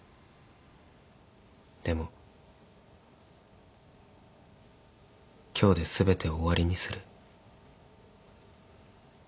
でも今日で全て終わりにする。